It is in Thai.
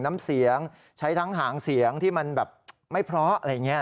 น้ำเสียงใช้ทั้งหางเสียงที่มันแบบไม่เพราะอะไรอย่างนี้